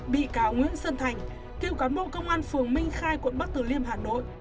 bị cáo nguyễn sơn thành tiêu cáo công an phường minh khai quận bắc tử liêm hà nội